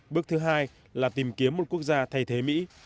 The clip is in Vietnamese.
bước thứ hai là tìm kiếm một quốc gia thay thế mỹ